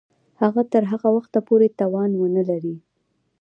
هغه تر هغه وخته پوري توان ونه لري.